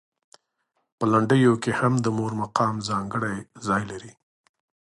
په لنډیو کې هم د مور مقام ځانګړی ځای لري.